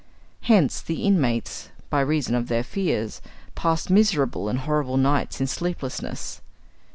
Hence the inmates, by reason of their fears, passed miserable and horrible nights in sleeplessness.